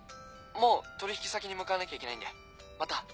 もう取引先に向かわなきゃいけないんでまた。